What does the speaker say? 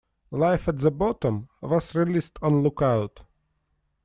Live at the Bottom... was released on Lookout!